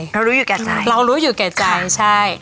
เรารู้อยู่แก่ใจเรารู้อยู่แก่ใจใช่